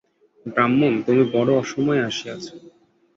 ব্রাহ্মণ, তুমি বড়ো অসময়ে আসিয়াছ।